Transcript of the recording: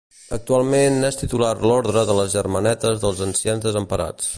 Actualment n'és titular l'orde de les Germanetes dels Ancians Desemparats.